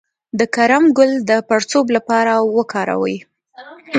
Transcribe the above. د کرم ګل د پړسوب لپاره وکاروئ